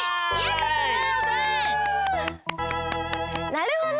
なるほど！